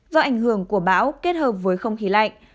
do ảnh hưởng của bão kết hợp với không khí lạnh